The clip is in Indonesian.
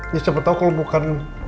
ya siapa tau kalo bukan